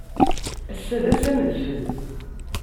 Ass-a d ass amedfel.